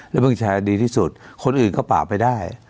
แล้วกัญชาดีที่สุดคนอื่นก็ปราบไปได้